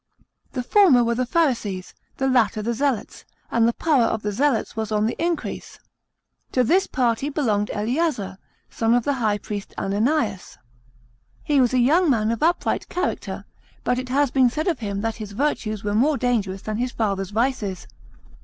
The former were the Pharisees, the latter the Zealots, and the power of the Zealots was on the increase. To this party belonged Eleazar, son of the high priest Ananias.* He was a young man of upright character ; but it has been said of him that his virtues were more dangerous than his father's vices.